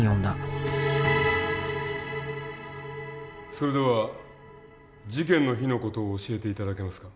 それでは事件の日の事を教えて頂けますか？